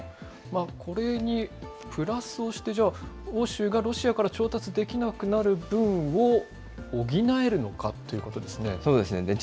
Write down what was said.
これにプラスをして、じゃあ、欧州がロシアから調達できなくなる分を補えるのかということですそうですね。